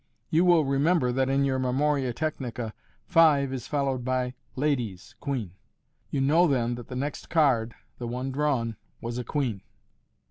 You will remember that in your memoria technica " five '* is followed by " ladies " (queen). You know then that the next card, the one drawn, was a queen.